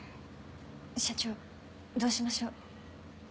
社長どうしましょう？